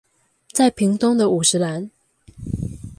在屏東的五十嵐